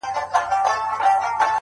وسلوال غله خو د زړه رانه وړلای نه سي _